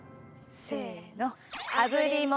せの。